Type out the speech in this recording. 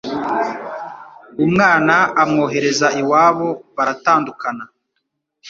Umwana amwohereza iwabo baratandukana,